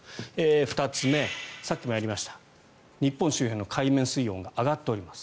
２つ目、さっきもやりました日本周辺の海面水温が上がっています。